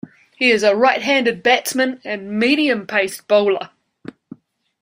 He is a right-handed batsman and medium-pace bowler.